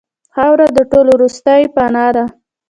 خاوره د ټولو وروستۍ پناه ده.